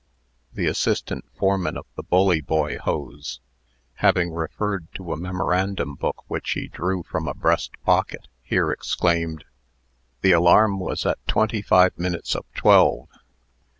The assistant foreman of the Bully Boy Hose, having referred to a memorandum book which he drew from a breast pocket, here exclaimed: "The alarm was at twenty five minutes of twelve.